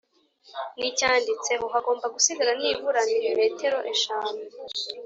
n icyanditseho hagomba gusigara nibura milimetero eshanu